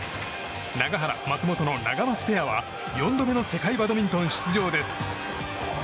永原、松本のナガマツペアは４度目の世界バドミントン出場です。